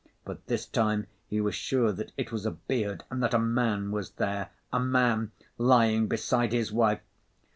But this time he was sure that it was a beard and that a man was there! a man lying beside his wife!